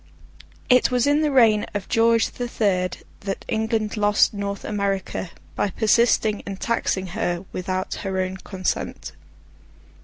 It was in the reign of George the Third that England lost North America, by persisting in taxing her without her own consent.